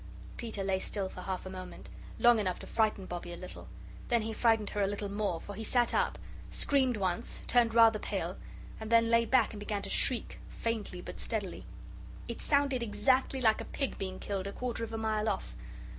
Peter lay still for half a moment long enough to frighten Bobbie a little. Then he frightened her a little more, for he sat up screamed once turned rather pale, and then lay back and began to shriek, faintly but steadily. It sounded exactly like a pig being killed a quarter of a mile off.